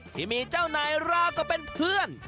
ที่มีเจ้านายราก็เป็นเพื่อน